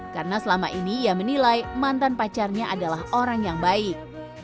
karena selama ini ia menilai mantan pacarnya adalah orang yang baik